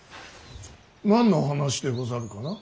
何の話でござるかな。